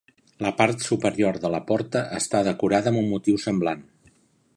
La part superior de la porta està decorada amb un motiu semblant.